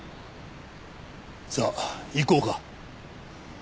さあ行こうか。